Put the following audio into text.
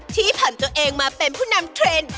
ที่ผ่านตัวเองมาเป็นผู้นำเทรนด์